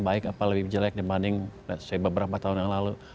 baik apa lebih jelek dibanding beberapa tahun yang lalu